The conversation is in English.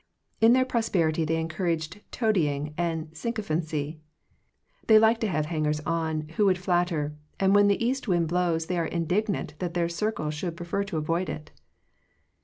In their prosperity they encouraged toadying and sycophancy. They liked to have hangers on, who would flatter, and when the east wind blows they are indignant that their circle should prefer to avoid it.